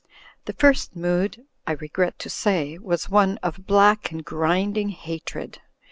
The First Mood, I regret to say, was one of black and grinding hatred.